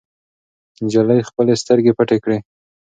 نجلۍ خپلې سترګې پټې کړې.